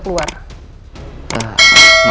harusnya sudah keluar